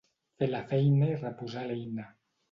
Fer la feina i reposar l'eina.